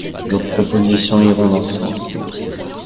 Nos propositions iront dans ce sens.